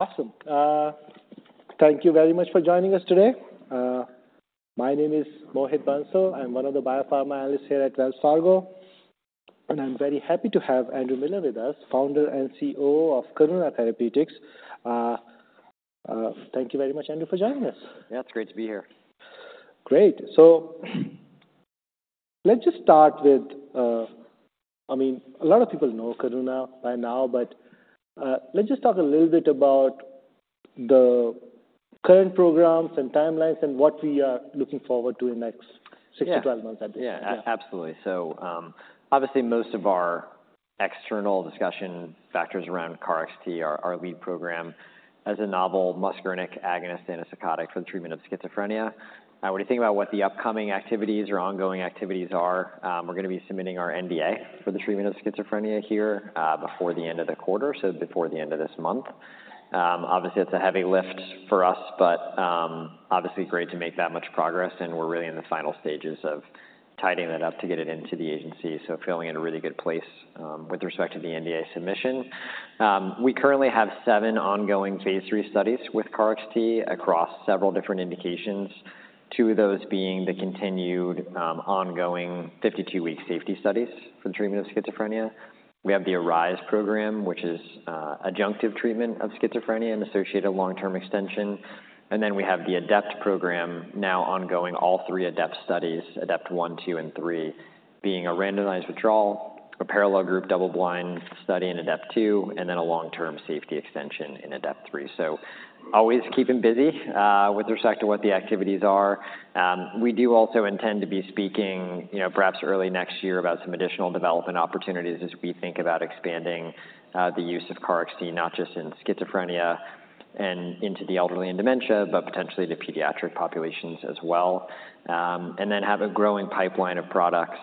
Awesome. Thank you very much for joining us today. My name is Mohit Bansal. I'm one of the biopharma analysts here at Wells Fargo, and I'm very happy to have Andrew Miller with us, founder and Chief Executive Officer of Karuna Therapeutics. Thank you very much, Andrew, for joining us. Yeah, it's great to be here. Great. So let's just start with, I mean, a lot of people know Karuna by now, but, let's just talk a little bit about the current programs and timelines and what we are looking forward to in the next- Yeah 6-12 months, I think. Yeah, absolutely. Obviously, most of our external discussion factors around KarXT, our lead program, as a novel muscarinic agonist antipsychotic for the treatment of schizophrenia. When you think about what the upcoming activities or ongoing activities are, we're gonna be submitting our NDA for the treatment of schizophrenia here before the end of the quarter, so before the end of this month. Obviously, it's a heavy lift for us, but obviously great to make that much progress, and we're really in the final stages of tidying that up to get it into the agency. So feeling in a really good place with respect to the NDA submission. We currently have seven ongoing phase III studies with KarXT across several different indications. Two of those being the continued, ongoing 52-week safety studies for the treatment of schizophrenia. We have the ARISE program, which is adjunctive treatment of schizophrenia and associated long-term extension. And then we have the ADEPT program now ongoing, all three ADEPT studies, ADEPT-1, ADEPT-2, and ADEPT-3, being a randomized withdrawal, a parallel group, double-blind study in ADEPT-2, and then a long-term safety extension in ADEPT-3. So always keeping busy with respect to what the activities are. We do also intend to be speaking, you know, perhaps early next year about some additional development opportunities as we think about expanding the use of KarXT, not just in schizophrenia and into the elderly and dementia, but potentially the pediatric populations as well. And then have a growing pipeline of products,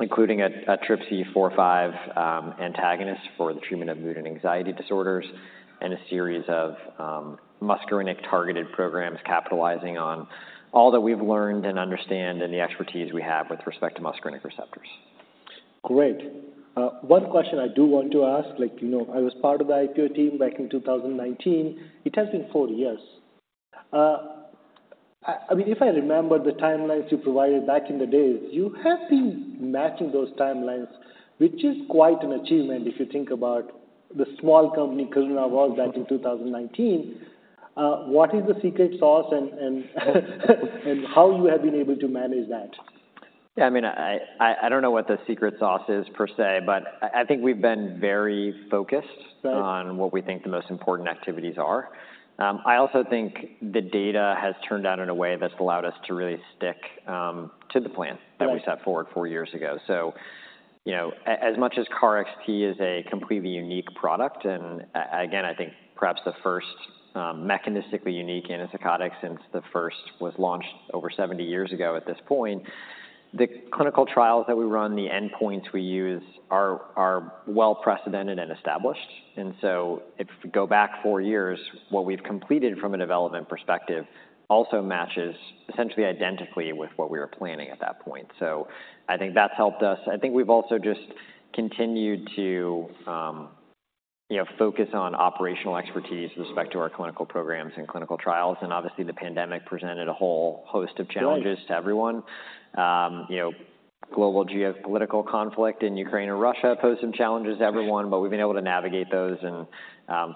including a TRPC4/5 antagonist for the treatment of mood and anxiety disorders, and a series of muscarinic targeted programs capitalizing on all that we've learned and understand and the expertise we have with respect to muscarinic receptors. Great. One question I do want to ask, like, you know, I was part of the IPO team back in 2019. It has been four years. I mean, if I remember the timelines you provided back in the days, you have been matching those timelines, which is quite an achievement if you think about the small company Karuna was back in 2019. What is the secret sauce and how you have been able to manage that? Yeah, I mean, I don't know what the secret sauce is per se, but I think we've been very focused- Yeah -on what we think the most important activities are. I also think the data has turned out in a way that's allowed us to really stick to the plan- Right -that we set forward four years ago. So, you know, as much as KarXT is a completely unique product, and again, I think perhaps the first mechanistically unique antipsychotic since the first was launched over 70 years ago at this point. The clinical trials that we run, the endpoints we use are well precedented and established. And so if we go back four years, what we've completed from a development perspective also matches essentially identically with what we were planning at that point. So I think that's helped us. I think we've also just continued to, you know, focus on operational expertise with respect to our clinical programs and clinical trials, and obviously, the pandemic presented a whole host of challenges- Right -to everyone. You know, global geopolitical conflict in Ukraine and Russia posed some challenges to everyone, but we've been able to navigate those and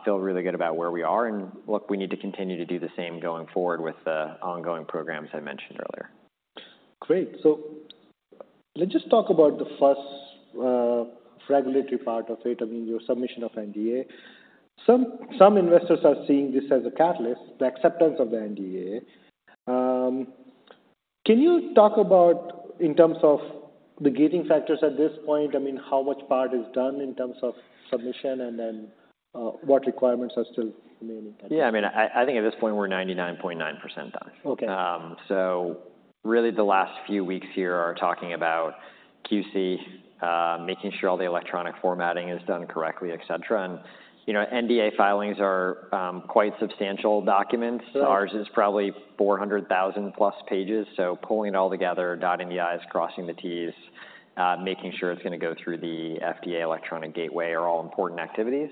feel really good about where we are. And look, we need to continue to do the same going forward with the ongoing programs I mentioned earlier. Great. So let's just talk about the first, regulatory part of it, I mean, your submission of NDA. Some investors are seeing this as a catalyst, the acceptance of the NDA. Can you talk about in terms of the gating factors at this point, I mean, how much part is done in terms of submission and then, what requirements are still remaining? Yeah, I mean, I, I think at this point we're 99.9% done. Okay. So really the last few weeks here are talking about QC, making sure all the electronic formatting is done correctly, et cetera. You know, NDA filings are quite substantial documents. Sure. Ours is probably 400,000+ pages, so pulling it all together, dotting the I's, crossing the T's, making sure it's gonna go through the FDA electronic gateway are all important activities.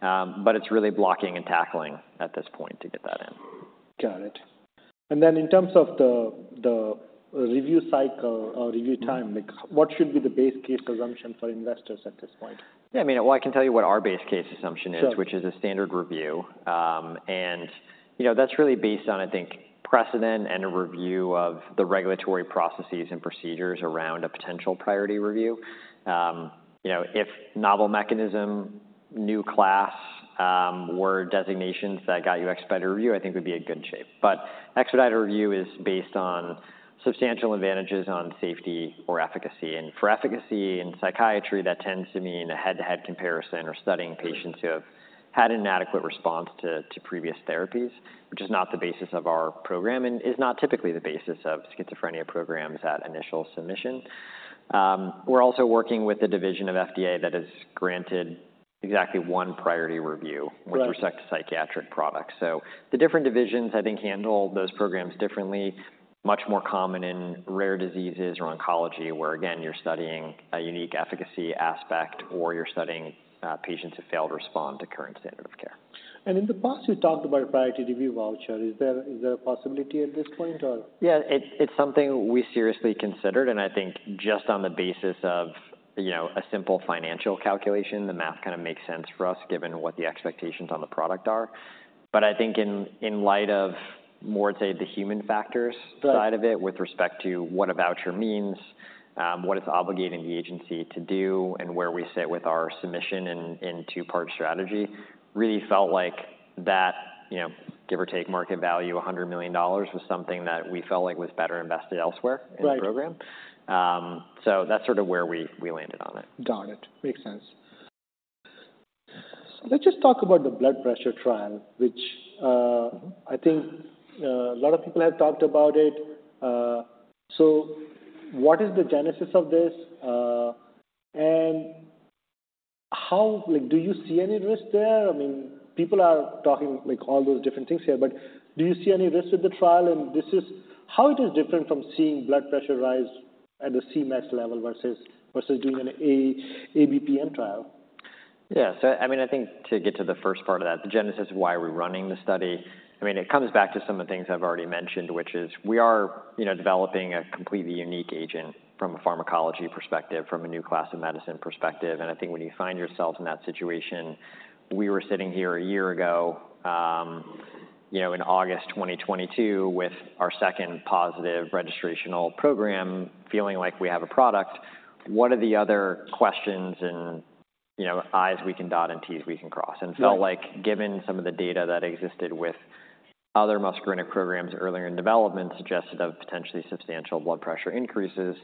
But it's really blocking and tackling at this point to get that in. Got it. And then in terms of the review cycle or review time- Mm Like, what should be the base case assumption for investors at this point? Yeah, I mean, well, I can tell you what our base case assumption is- Sure -which is a standard review. You know, that's really based on, I think, precedent and a review of the regulatory processes and procedures around a potential priority review. You know, if novel mechanism, new class, were designations that got you expedited review, I think we'd be in good shape. But expedited review is based on substantial advantages on safety or efficacy. And for efficacy in psychiatry, that tends to mean a head-to-head comparison or studying patients, who have had an inadequate response to, to previous therapies, which is not the basis of our program and is not typically the basis of schizophrenia programs at initial submission. We're also working with the division of FDA that has granted exactly one priority review- Right. - with respect to psychiatric products. So the different divisions, I think, handle those programs differently. Much more common in rare diseases or oncology, where again, you're studying a unique efficacy aspect or you're studying patients who fail to respond to current standard of care. In the past, you talked about Priority Review Voucher. Is there a possibility at this point, or? Yeah, it's something we seriously considered, and I think just on the basis of, you know, a simple financial calculation, the math kind of makes sense for us, given what the expectations on the product are. But I think in light of more, say, the human factors. Right - side of it, with respect to what a voucher means, what it's obligating the agency to do and where we sit with our submission in two-part strategy, really felt like that, you know, give or take market value, $100 million was something that we felt like was better invested elsewhere. Right - in the program. So that's sort of where we, we landed on it. Got it. Makes sense. Let's just talk about the blood pressure trial, which, I think, a lot of people have talked about it. So what is the genesis of this? And how... Like, do you see any risk there? I mean, people are talking, like, all those different things here, but do you see any risk with the trial? And this is... How it is different from seeing blood pressure rise at the Cmax level versus doing an ABPM trial? Yeah, so I mean, I think to get to the first part of that, the genesis of why we're running the study, I mean, it comes back to some of the things I've already mentioned, which is we are, you know, developing a completely unique agent from a pharmacology perspective, from a new class of medicine perspective. And I think when you find yourself in that situation, we were sitting here a year ago, you know, in August 2022, with our second positive registrational program, feeling like we have a product. What are the other questions and, you know, I's we can dot and T's we can cross? Yeah. And it felt like, given some of the data that existed with other muscarinic programs earlier in development, suggested of potentially substantial blood pressure increases,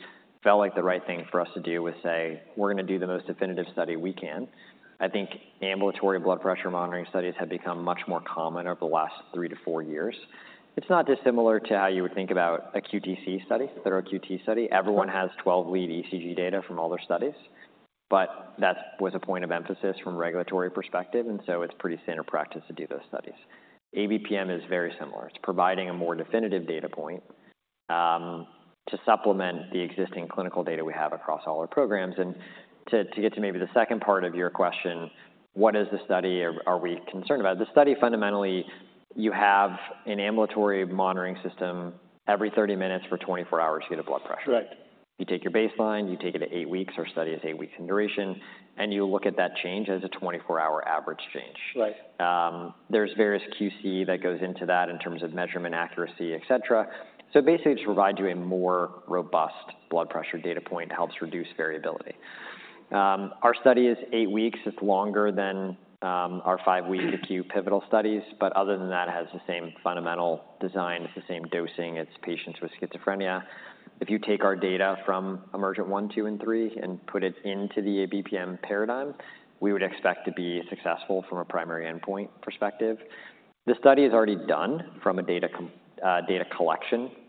felt like the right thing for us to do was say, "We're going to do the most definitive study we can." I think ambulatory blood pressure monitoring studies have become much more common over the last three to four years. It's not dissimilar to how you would think about a QTc study, thorough QT study. Everyone has 12-lead ECG data from all their studies, but that was a point of emphasis from a regulatory perspective, and so it's pretty standard practice to do those studies. ABPM is very similar. It's providing a more definitive data point to supplement the existing clinical data we have across all our programs. And to get to maybe the second part of your question, what is the study? Are we concerned about it? The study, fundamentally, you have an ambulatory monitoring system. Every 30 minutes for 24 hours, you get a blood pressure. Right. You take your baseline, you take it at eight weeks, our study is eight weeks in duration, and you look at that change as a 24-hour average change. Right. There's various QC that goes into that in terms of measurement, accuracy, et cetera. So basically, it just provides you a more robust blood pressure data point, helps reduce variability. Our study is eight weeks. It's longer than our five-week acute pivotal studies, but other than that, it has the same fundamental design. It's the same dosing. It's patients with schizophrenia. If you take our data from EMERGENT-1, 2, and 3 and put it into the ABPM paradigm, we would expect to be successful from a primary endpoint perspective. The study is already done from a data collection perspective,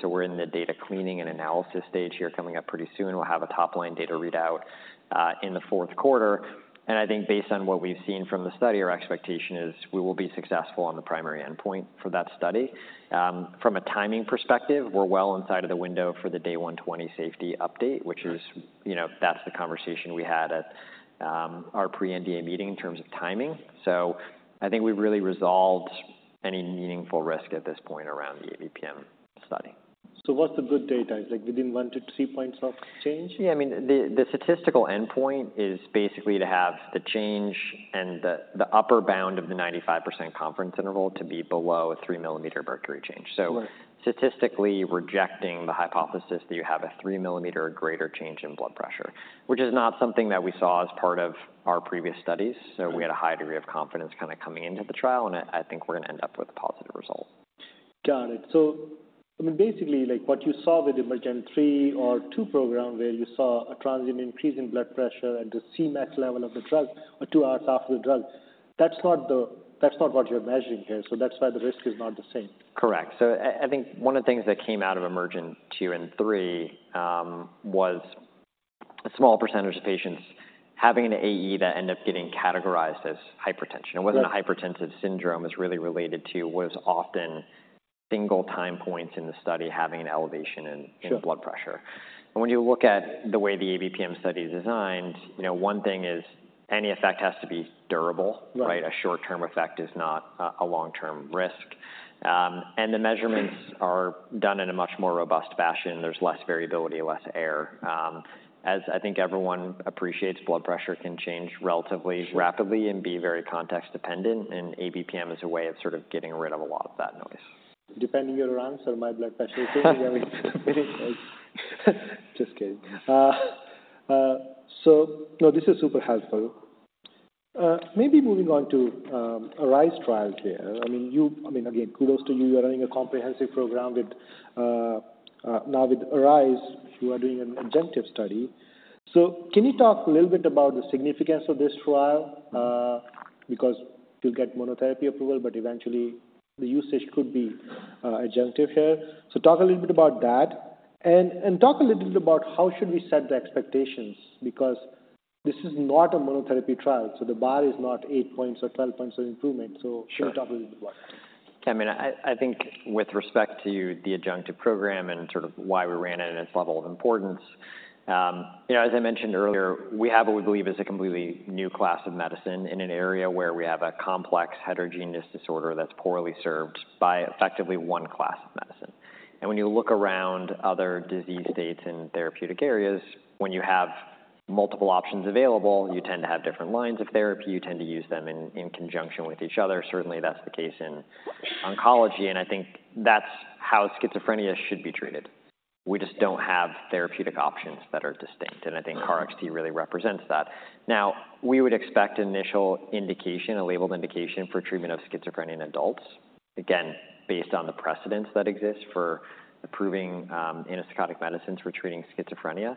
so we're in the data cleaning and analysis stage here. Coming up pretty soon, we'll have a top-line data readout in the fourth quarter, and I think based on what we've seen from the study, our expectation is we will be successful on the primary endpoint for that study. From a timing perspective, we're well inside of the window for the day 120 safety update- - which is, you know, that's the conversation we had at, our pre-NDA meeting in terms of timing. So I think we've really resolved any meaningful risk at this point around the ABPM study. What's the good data? It's like within 1-3 points of change? Yeah, I mean, the statistical endpoint is basically to have the change and the upper bound of the 95% confidence interval to be below a 3 mmHg change. Right. Statistically rejecting the hypothesis that you have a 3-millimeter greater change in blood pressure, which is not something that we saw as part of our previous studies. Right. We had a high degree of confidence kind of coming into the trial, and I, I think we're going to end up with a positive result. Got it. So, I mean, basically, like, what you saw with the EMERGENT-3 or -2 program, where you saw a transient increase in blood pressure at the Cmax level of the drug or two hours after the drug, that's not the... That's not what you're measuring here, so that's why the risk is not the same. Correct. So I, I think one of the things that came out of EMERGENT-2 and EMERGENT-3 was a small percentage of patients having an AE that ended up getting categorized as hypertension. Right. It wasn't a hypertensive syndrome. It's really related to, was often single time points in the study having an elevation in- Sure blood pressure. And when you look at the way the ABPM study is designed, you know, one thing is any effect has to be durable. Right. Right? A short-term effect is not a long-term risk. And the measurements are done in a much more robust fashion. There's less variability and less error. As I think everyone appreciates, blood pressure can change relatively rapidly and be very context-dependent, and ABPM is a way of sort of getting rid of a lot of that noise. Depending on your answer, my blood pressure is changing. Just kidding. So... No, this is super helpful. Maybe moving on to ARISE trial here. I mean, you-- I mean, again, kudos to you. You are running a comprehensive program with now with ARISE, you are doing an adjunctive study. So can you talk a little bit about the significance of this trial, because you'll get monotherapy approval, but eventually the usage could be adjunctive here. So talk a little bit about that, and, and talk a little bit about how should we set the expectations, because this is not a monotherapy trial, so the bar is not 8 points or 12 points of improvement. So- Sure. Should talk a little bit about it. I mean, I think with respect to the adjunctive program and sort of why we ran it and its level of importance, you know, as I mentioned earlier, we have what we believe is a completely new class of medicine in an area where we have a complex heterogeneous disorder that's poorly served by effectively one class of medicine. And when you look around other disease states and therapeutic areas, when you have multiple options available, you tend to have different lines of therapy. You tend to use them in conjunction with each other. Certainly, that's the case in oncology, and I think that's how schizophrenia should be treated. We just don't have therapeutic options that are distinct, and I think KarXT really represents that. Now, we would expect initial indication, a labeled indication for treatment of schizophrenia in adults, again, based on the precedents that exist for approving, antipsychotic medicines for treating schizophrenia.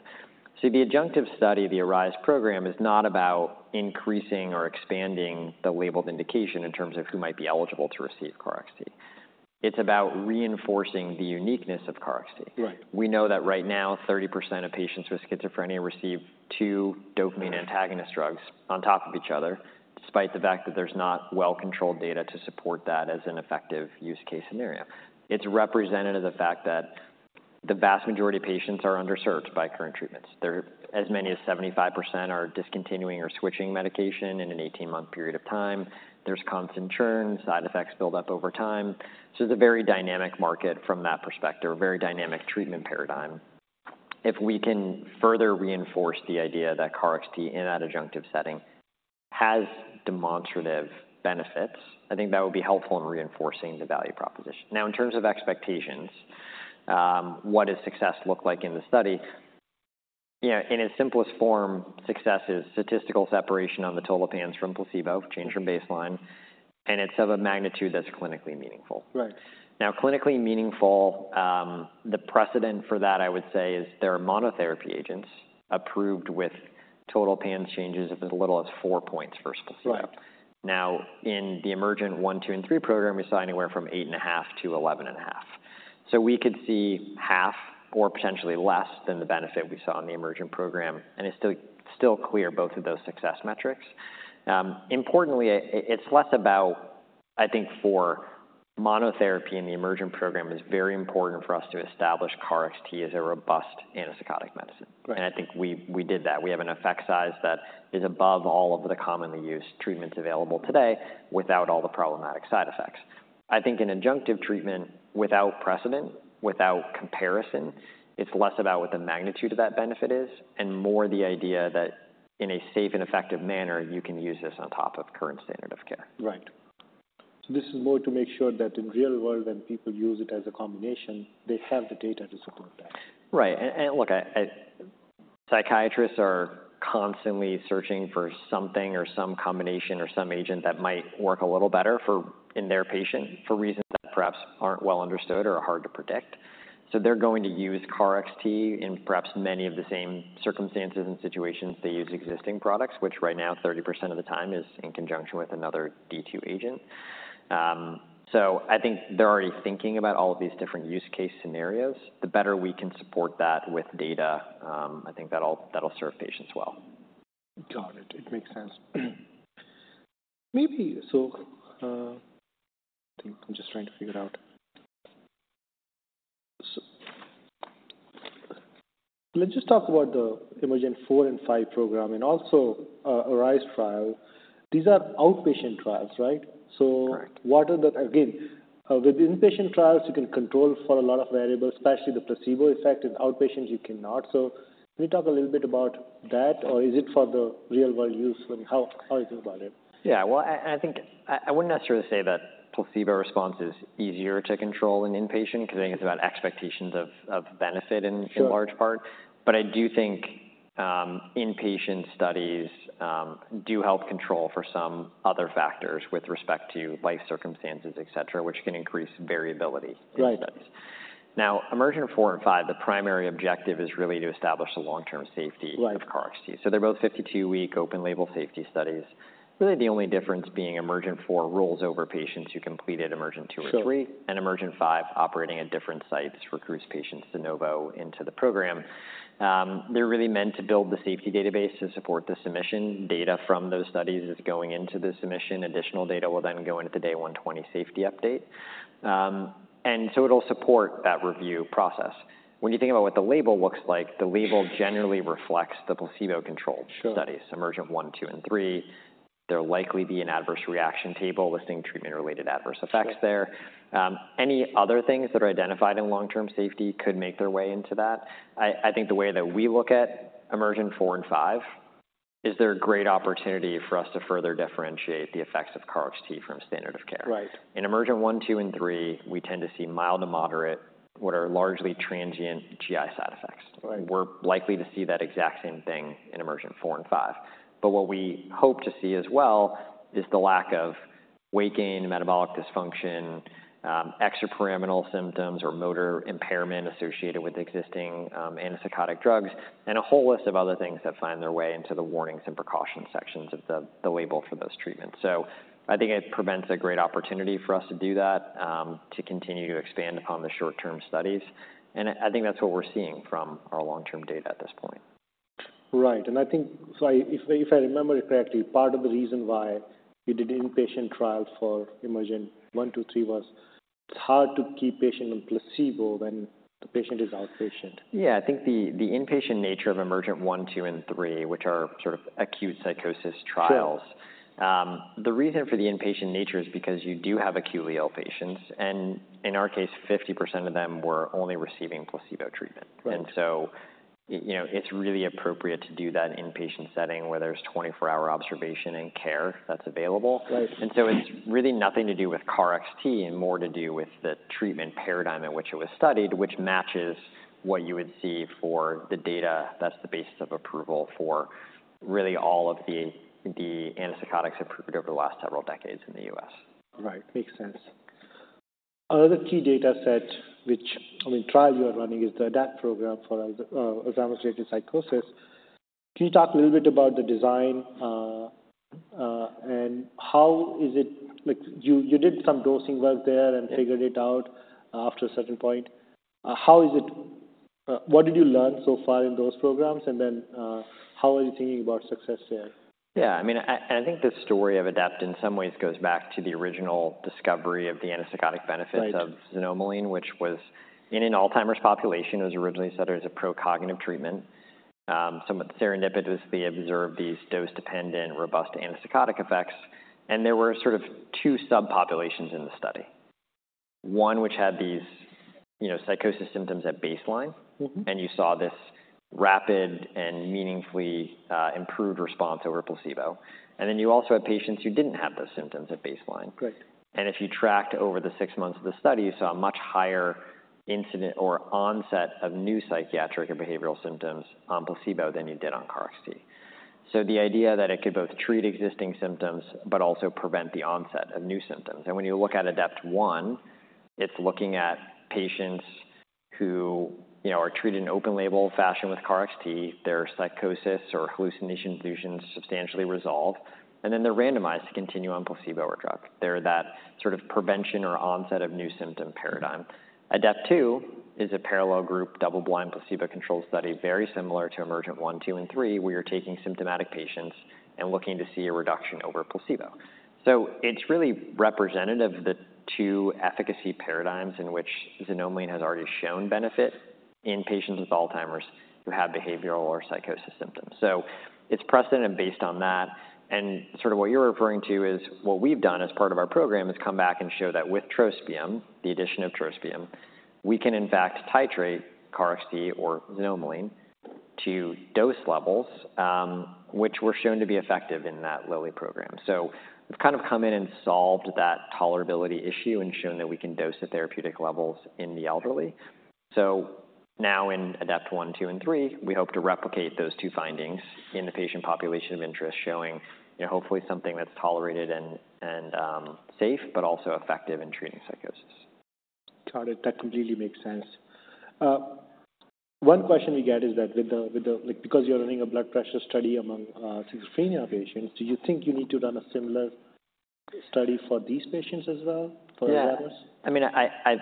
See, the adjunctive study, the ARISE program, is not about increasing or expanding the labeled indication in terms of who might be eligible to receive KarXT. It's about reinforcing the uniqueness of KarXT. Right. We know that right now, 30% of patients with schizophrenia receive two dopamine antagonist drugs on top of each other, despite the fact that there's not well-controlled data to support that as an effective use case scenario. It's representative of the fact that the vast majority of patients are underserved by current treatments. As many as 75% are discontinuing or switching medication in an eighteen-month period of time. There's constant churn. Side effects build up over time. So it's a very dynamic market from that perspective, or a very dynamic treatment paradigm. If we can further reinforce the idea that KarXT, in that adjunctive setting, has demonstrative benefits, I think that would be helpful in reinforcing the value proposition. Now, in terms of expectations, what does success look like in the study? You know, in its simplest form, success is statistical separation on the total PANSS from placebo, change from baseline, and it's of a magnitude that's clinically meaningful. Right. Now, clinically meaningful, the precedent for that, I would say, is there are monotherapy agents approved with total PANSS changes of as little as four points for specific. Right. Now, in the EMERGENT one, two, and three program, we saw anywhere from 8.5 to 11.5. So we could see half or potentially less than the benefit we saw in the EMERGENT program, and it's still, still clear both of those success metrics. Importantly, it's less about... I think for monotherapy in the EMERGENT program, it's very important for us to establish KarXT as a robust antipsychotic medicine. Right. I think we did that. We have an effect size that is above all of the commonly used treatments available today, without all the problematic side effects. I think in adjunctive treatment, without precedent, without comparison, it's less about what the magnitude of that benefit is and more the idea that in a safe and effective manner, you can use this on top of current standard of care. Right. This is more to make sure that in real world, when people use it as a combination, they have the data to support that. Right. Look, psychiatrists are constantly searching for something or some combination or some agent that might work a little better for in their patient for reasons that perhaps aren't well understood or are hard to predict. So they're going to use KarXT in perhaps many of the same circumstances and situations they use existing products, which right now, 30% of the time is in conjunction with another D2 agent. So I think they're already thinking about all of these different use case scenarios. The better we can support that with data, I think that'll serve patients well. Got it. It makes sense. Maybe so, I'm just trying to figure out. Let's just talk about the EMERGENT-4 and EMERGENT-5 program and also, ARISE trial. These are outpatient trials, right? Correct. So what are the... Again, with inpatient trials, you can control for a lot of variables, especially the placebo effect. In outpatients, you cannot. So can you talk a little bit about that, or is it for the real-world use, and how is it about it? Yeah, well, I think I wouldn't necessarily say that placebo response is easier to control in inpatient because I think it's about expectations of benefit in- Sure... in large part. But I do think, inpatient studies, do help control for some other factors with respect to life circumstances, et cetera, which can increase variability- Right... in studies. Now, EMERGENT-4 and EMERGENT-5, the primary objective is really to establish the long-term safety- Right... of KarXT. So they're both 52-week, open-label safety studies. Really, the only difference being EMERGENT-4 rolls over patients who completed EMERGENT-2 /3- Sure... and EMERGENT-5, operating at different sites, recruits patients de novo into the program. They're really meant to build the safety database to support the submission. Data from those studies is going into the submission. Additional data will then go into the day 120 safety update. And so it'll support that review process. When you think about what the label looks like, the label generally reflects the placebo-controlled- Sure... studies, EMERGENT-1, EMERGENT-2, and EMERGENT-3. There'll likely be an adverse reaction table listing treatment-related adverse effects there. Right. Any other things that are identified in long-term safety could make their way into that. I think the way that we look at EMERGENT-4 and EMERGENT-5 is they're a great opportunity for us to further differentiate the effects of KarXT from standard of care. Right. In EMERGENT-1, EMERGENT-2, and EMERGENT-3, we tend to see mild to moderate, what are largely transient GI side effects. Right. We're likely to see that exact same thing in EMERGENT 4 and 5. But what we hope to see as well is the lack of weight gain, metabolic dysfunction, extrapyramidal symptoms or motor impairment associated with existing antipsychotic drugs, and a whole list of other things that find their way into the warnings and precautions sections of the label for those treatments. So I think it presents a great opportunity for us to do that, to continue to expand upon the short-term studies. And I think that's what we're seeing from our long-term data at this point. Right. And I think if I remember it correctly, part of the reason why you did inpatient trials for EMERGENT-1, 2, 3 was it's hard to keep patient on placebo when the patient is outpatient. Yeah, I think the inpatient nature of EMERGENT-1, EMERGENT-2, and EMERGENT-3, which are sort of acute psychosis trials- Sure. The reason for the inpatient nature is because you do have acutely ill patients, and in our case, 50% of them were only receiving placebo treatment. Right. You know, it's really appropriate to do that inpatient setting, where there's 24-hour observation and care that's available. Right. And so it's really nothing to do with KarXT and more to do with the treatment paradigm in which it was studied, which matches what you would see for the data that's the basis of approval for really all of the antipsychotics approved over the last several decades in the U.S. Right. Makes sense. Another key data set. I mean, trial you are running is the ADEPT program for Alzheimer's-related psychosis. Can you talk a little bit about the design, and how is it... Like, you did some dosing work there- figured it out after a certain point. What did you learn so far in those programs, and then, how are you thinking about success there? Yeah, I mean, I think the story of ADEPT in some ways goes back to the original discovery of the antipsychotic benefits- Right - of xanomeline, which was in an Alzheimer's population. It was originally studied as a pro-cognitive treatment. Someone serendipitously observed these dose-dependent, robust antipsychotic effects, and there were sort of two subpopulations in the study. One, which had these, you know, psychosis symptoms at baseline. Mm-hmm. And you saw this rapid and meaningfully improved response over placebo. And then you also had patients who didn't have those symptoms at baseline. Correct. If you tracked over the six months of the study, you saw a much higher incidence or onset of new psychiatric or behavioral symptoms on placebo than you did on KarXT. So the idea that it could both treat existing symptoms but also prevent the onset of new symptoms. And when you look at ADEPT-1, it's looking at patients who, you know, are treated in open-label fashion with KarXT. Their psychosis or hallucination, illusions substantially resolve, and then they're randomized to continue on placebo or drug. That's that sort of prevention or onset of new symptom paradigm. ADEPT-2 is a parallel group, double-blind, placebo-controlled study, very similar to EMERGENT 1, 2, and 3, where you're taking symptomatic patients and looking to see a reduction over placebo. So it's really representative of the two efficacy paradigms in which xanomeline has already shown benefit in patients with Alzheimer's who have behavioral or psychosis symptoms. So it's precedent based on that, and sort of what you're referring to is what we've done as part of our program, is come back and show that with trospium, the addition of trospium, we can in fact titrate KarXT or xanomeline to dose levels, which were shown to be effective in that Lilly program. So we've kind of come in and solved that tolerability issue and shown that we can dose at therapeutic levels in the elderly. So now in ADEPT One, Two, and Three, we hope to replicate those two findings in the patient population of interest, showing, you know, hopefully something that's tolerated and safe, but also effective in treating psychosis. Got it. That completely makes sense. One question we get is that with the... Like, because you're running a blood pressure study among schizophrenia patients, do you think you need to run a similar study for these patients as well, for others? Yeah. I mean, I've--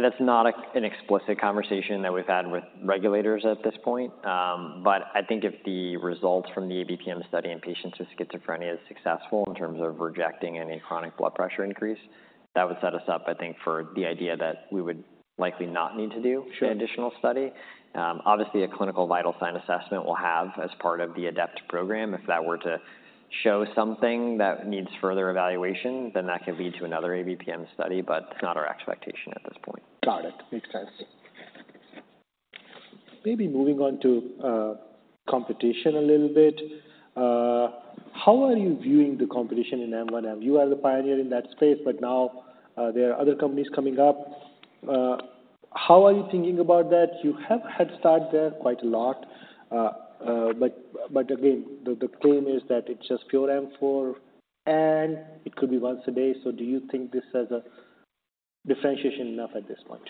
that's not an explicit conversation that we've had with regulators at this point. But I think if the results from the ABPM study in patients with schizophrenia is successful in terms of rejecting any chronic blood pressure increase, that would set us up, I think, for the idea that we would likely not need to do- Sure... the additional study. Obviously, a clinical vital sign assessment we'll have as part of the ADEPT program. If that were to show something that needs further evaluation, then that could lead to another ABPM study, but it's not our expectation at this point. Got it. Makes sense. Maybe moving on to competition a little bit. How are you viewing the competition in M1/M4? You are the pioneer in that space, but now there are other companies coming up. How are you thinking about that? You have head start there quite a lot, but again, the claim is that it's just pure M4, and it could be once a day. So do you think this has a differentiation enough at this point?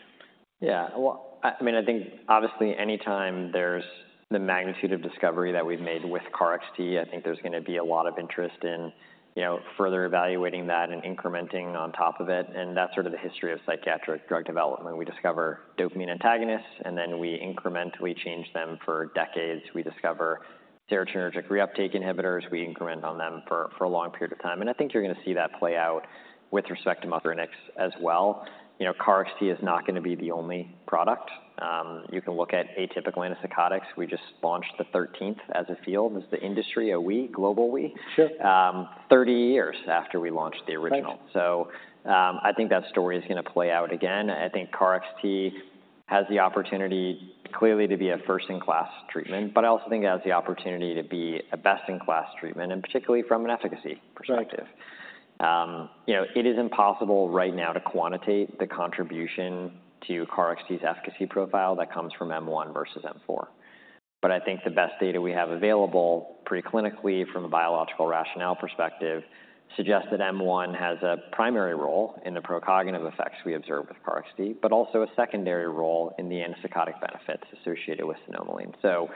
Yeah. Well, I mean, I think obviously anytime there's the magnitude of discovery that we've made with KarXT, I think there's gonna be a lot of interest in, you know, further evaluating that and incrementing on top of it, and that's sort of the history of psychiatric drug development. We discover dopamine antagonists, and then we incrementally change them for decades. We discover serotonergic reuptake inhibitors, we increment on them for a long period of time, and I think you're gonna see that play out with respect to xanomeline as well. You know, KarXT is not gonna be the only product. You can look at atypical antipsychotics. We just launched the thirteenth as a field, as the industry, a we, global we- Sure... 30 years after we launched the original. Right. I think that story is gonna play out again. I think KarXT has the opportunity, clearly, to be a first-in-class treatment, but I also think it has the opportunity to be a best-in-class treatment, and particularly from an efficacy perspective. Right. You know, it is impossible right now to quantitate the contribution to KarXT's efficacy profile that comes from M1 versus M4, but I think the best data we have available preclinically from a biological rationale perspective suggests that M1 has a primary role in the procognitive effects we observe with KarXT, but also a secondary role in the antipsychotic benefits associated with xanomeline. So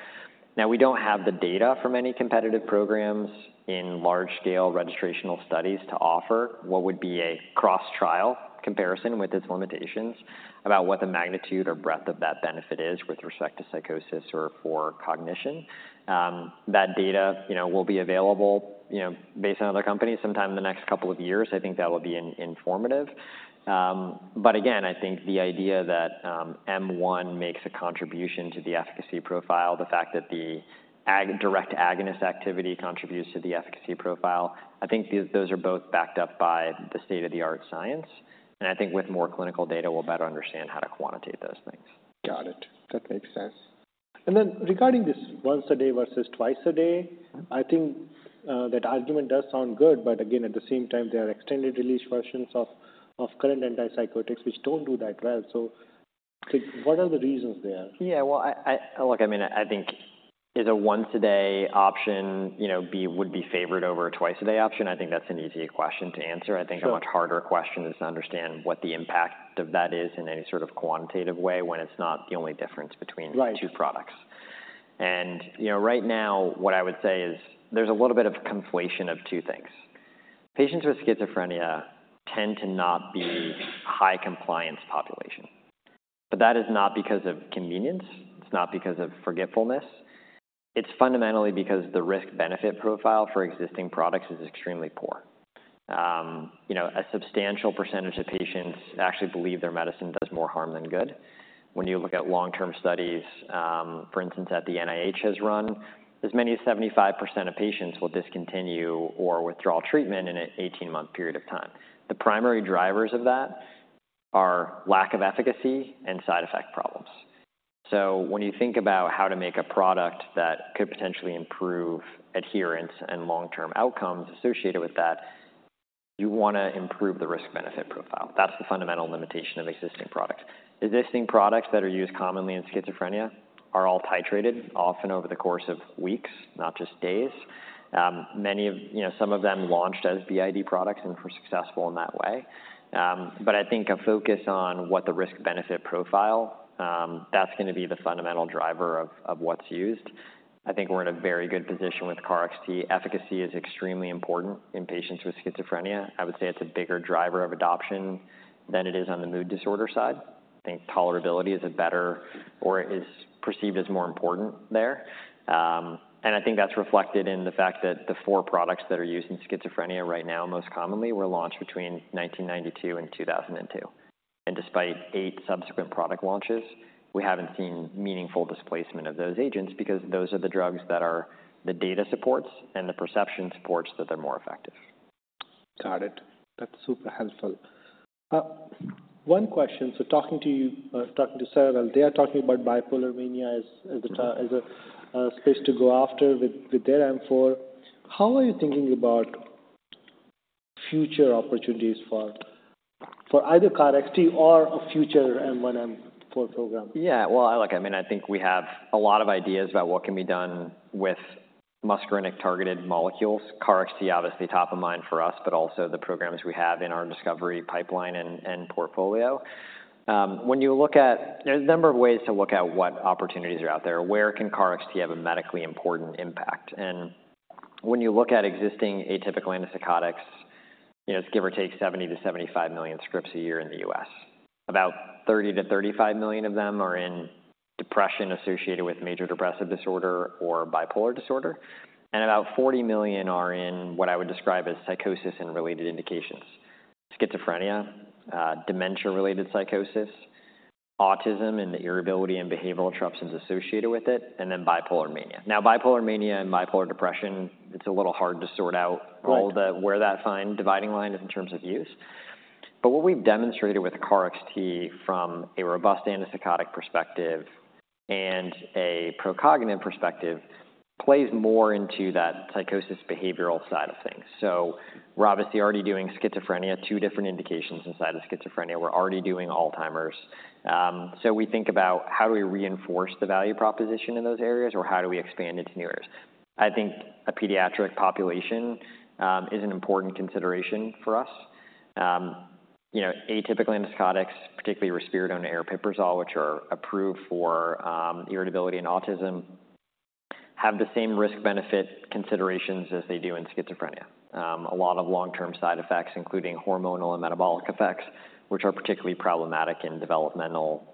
now we don't have the data from any competitive programs in large-scale registrational studies to offer what would be a cross-trial comparison with its limitations about what the magnitude or breadth of that benefit is with respect to psychosis or for cognition. That data, you know, will be available, you know, based on other companies sometime in the next couple of years. I think that will be informative. But again, I think the idea that M1 makes a contribution to the efficacy profile, the fact that the direct agonist activity contributes to the efficacy profile, I think these, those are both backed up by the state-of-the-art science, and I think with more clinical data, we'll better understand how to quantitate those things. Got it. That makes sense. And then, regarding this once a day versus twice a day- Mm-hmm. I think that argument does sound good, but again, at the same time, there are extended release versions of current antipsychotics, which don't do that well. So like, what are the reasons there? Yeah, well, Look, I mean, I think is a once a day option, you know, would be favored over a twice a day option? I think that's an easy question to answer. Sure. I think a much harder question is to understand what the impact of that is in any sort of quantitative way when it's not the only difference between- Right -the two products. You know, right now, what I would say is there's a little bit of conflation of two things. Patients with schizophrenia tend to not be high compliance population, but that is not because of convenience, it's not because of forgetfulness. It's fundamentally because the risk-benefit profile for existing products is extremely poor. You know, a substantial percentage of patients actually believe their medicine does more harm than good. When you look at long-term studies, for instance, that the NIH has run, as many as 75% of patients will discontinue or withdraw treatment in an 18-month period of time. The primary drivers of that are lack of efficacy and side effect problems. So when you think about how to make a product that could potentially improve adherence and long-term outcomes associated with that, you wanna improve the risk-benefit profile. That's the fundamental limitation of existing products. Existing products that are used commonly in schizophrenia are all titrated, often over the course of weeks, not just days. Many of... You know, some of them launched as BID products and were successful in that way. But I think a focus on what the risk-benefit profile, that's gonna be the fundamental driver of, of what's used. I think we're in a very good position with KarXT. Efficacy is extremely important in patients with schizophrenia. I would say it's a bigger driver of adoption than it is on the mood disorder side. I think tolerability is a better or is perceived as more important there. And I think that's reflected in the fact that the four products that are used in schizophrenia right now, most commonly, were launched between 1992 and 2002. Despite eight subsequent product launches, we haven't seen meaningful displacement of those agents because those are the drugs that are, the data supports and the perception supports that they're more effective. Got it. That's super helpful. One question. So talking to you, talking to Cerevel, well, they are talking about bipolar mania as a space to go after with their M4. How are you thinking about future opportunities for either KarXT or a future M1M4 program? Yeah, well, look, I mean, I think we have a lot of ideas about what can be done with muscarinic-targeted molecules. KarXT, obviously, top of mind for us, but also the programs we have in our discovery pipeline and portfolio. When you look at... There's a number of ways to look at what opportunities are out there, where can KarXT have a medically important impact? And when you look at existing atypical antipsychotics, you know, it's give or take 70-75 million scripts a year in the U.S. About 30-35 million of them are in depression associated with major depressive disorder or bipolar disorder, and about 40 million are in what I would describe as psychosis and related indications: schizophrenia, dementia-related psychosis, autism, and the irritability and behavioral troubles associated with it, and then bipolar mania. Now, Bipolar mania and Bipolar depression, it's a little hard to sort out- Right where that fine dividing line is in terms of use. But what we've demonstrated with KarXT from a robust antipsychotic perspective and a pro-cognitive perspective, plays more into that psychosis, behavioral side of things. So we're obviously already doing schizophrenia, two different indications inside of schizophrenia. We're already doing Alzheimer's. So we think about how do we reinforce the value proposition in those areas, or how do we expand into new areas? I think a pediatric population is an important consideration for us. You know, atypical antipsychotics, particularly risperidone and aripiprazole, which are approved for irritability and autism, have the same risk-benefit considerations as they do in schizophrenia. A lot of long-term side effects, including hormonal and metabolic effects, which are particularly problematic in developmental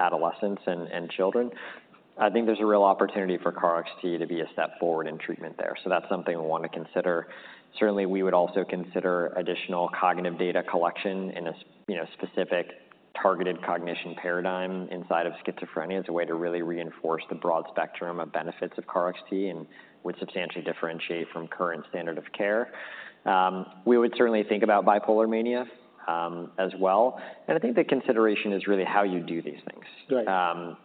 adolescents and children. I think there's a real opportunity for KarXT to be a step forward in treatment there. So that's something we want to consider. Certainly, we would also consider additional cognitive data collection in a you know, specific targeted cognition paradigm inside of schizophrenia as a way to really reinforce the broad spectrum of benefits of KarXT and would substantially differentiate from current standard of care. We would certainly think about bipolar mania, as well. And I think the consideration is really how you do these things. Right....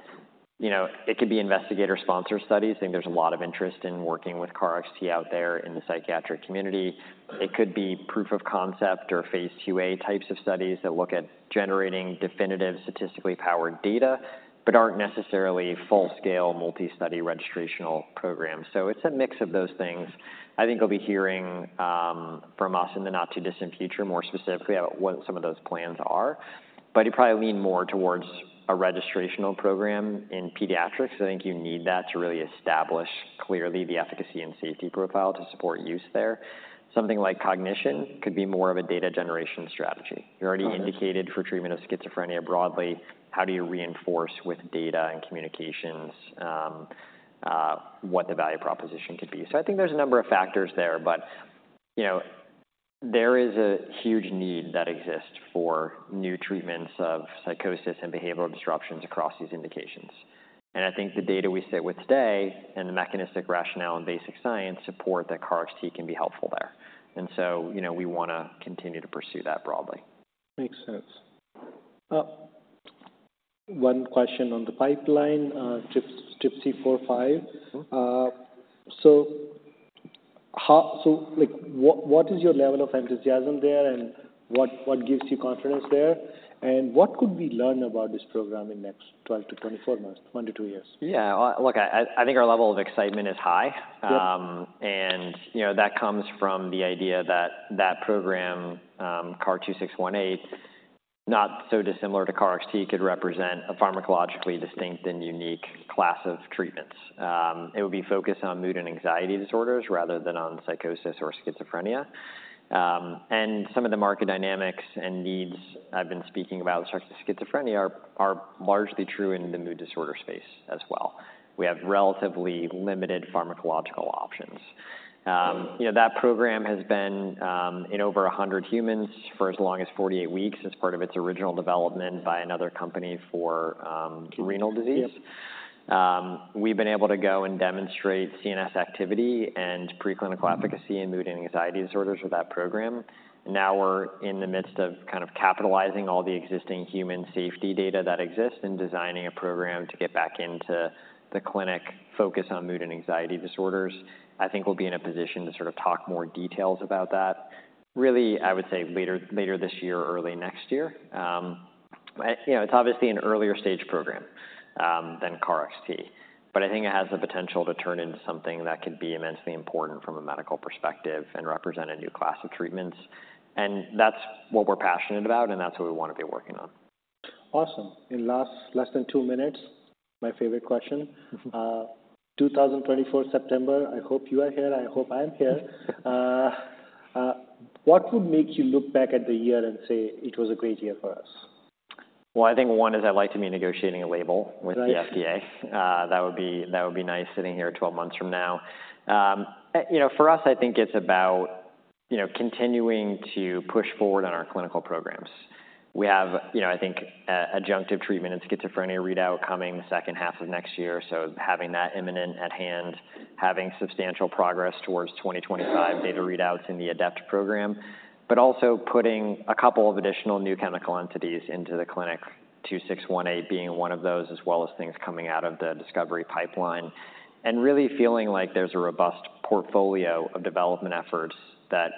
you know, it could be investigator sponsor studies. I think there's a lot of interest in working with KarXT out there in the psychiatric community. It could be proof of concept or phase 2A types of studies that look at generating definitive, statistically powered data, but aren't necessarily full-scale, multi-study registrational programs. So it's a mix of those things. I think you'll be hearing from us in the not-too-distant future, more specifically about what some of those plans are. But you probably lean more towards a registrational program in pediatrics. I think you need that to really establish clearly the efficacy and safety profile to support use there. Something like cognition could be more of a data generation strategy. Got it. You're already indicated for treatment of schizophrenia broadly. How do you reinforce with data and communications, what the value proposition could be? So I think there's a number of factors there, but, you know, there is a huge need that exists for new treatments of psychosis and behavioral disruptions across these indications. And I think the data we sit with today and the mechanistic rationale and basic science support that KarXT can be helpful there. And so, you know, we wanna continue to pursue that broadly. Makes sense. One question on the pipeline, TRPC4/5. Mm-hmm. So, like, what, what is your level of enthusiasm there, and what, what gives you confidence there? And what could we learn about this program in the next 12-24 months, 1-2 years? Yeah, look, I think our level of excitement is high. Yep. And, you know, that comes from the idea that that program, KAR-2618, not so dissimilar to KarXT, could represent a pharmacologically distinct and unique class of treatments. It would be focused on mood and anxiety disorders rather than on psychosis or schizophrenia. And some of the market dynamics and needs I've been speaking about with schizophrenia are largely true in the mood disorder space as well. We have relatively limited pharmacological options. You know, that program has been in over 100 humans for as long as 48 weeks as part of its original development by another company for renal disease. Yes. We've been able to go and demonstrate CNS activity and preclinical efficacy in mood and anxiety disorders with that program. Now we're in the midst of kind of capitalizing all the existing human safety data that exists and designing a program to get back into the clinic, focused on mood and anxiety disorders. I think we'll be in a position to sort of talk more details about that, really, I would say, later, later this year or early next year. You know, it's obviously an earlier stage program than KarXT, but I think it has the potential to turn into something that could be immensely important from a medical perspective and represent a new class of treatments. And that's what we're passionate about, and that's what we want to be working on. Awesome. In last, less than two minutes, my favorite question. 2024, September, I hope you are here, I hope I am here. What would make you look back at the year and say, "It was a great year for us? Well, I think one is I'd like to be negotiating a label- Right... with the FDA. That would be, that would be nice, sitting here 12 months from now. You know, for us, I think it's about, you know, continuing to push forward on our clinical programs. We have, you know, I think, adjunctive treatment and schizophrenia readout coming second half of next year, so having that imminent at hand, having substantial progress towards 2025 data readouts in the ADEPT program, but also putting a couple of additional new chemical entities into the clinic, 2618 being one of those, as well as things coming out of the discovery pipeline, and really feeling like there's a robust portfolio of development efforts that,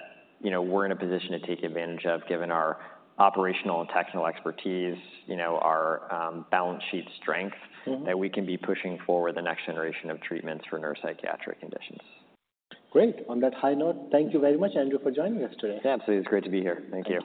you know, we're in a position to take advantage of, given our operational and technical expertise, you know, our balance sheet strength- Mm-hmm... that we can be pushing forward the next generation of treatments for neuropsychiatric conditions. Great. On that high note, thank you very much, Andrew, for joining us today. Absolutely. It's great to be here. Thank you.